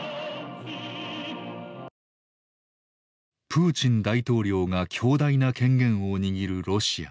プーチン大統領が強大な権限を握るロシア。